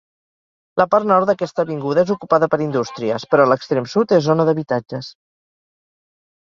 La part nord d'aquesta avinguda és ocupada per indústries, però l'extrem sud és zona d'habitatges.